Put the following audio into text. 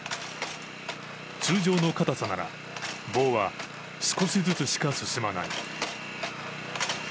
通常のかたさなら、棒は少しずつしか進まない。